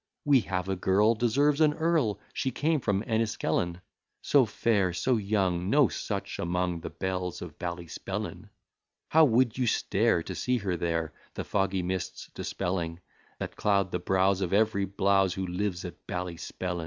We have a girl deserves an earl; She came from Enniskellin; So fair, so young, no such among The belles of Ballyspellin. How would you stare, to see her there, The foggy mists dispelling, That cloud the brows of every blowse Who lives at Ballyspellin!